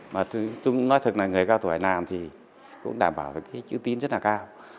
mà tôi nói thật là người cao tuổi làm thì cũng đảm bảo cái chữ tín rất là cao